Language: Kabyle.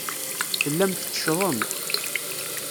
Tellam tetteccḍem.